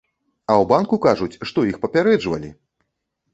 А ў банку кажуць, што іх папярэджвалі!